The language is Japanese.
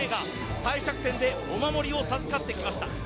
帝釈天でお守りを授かってきました。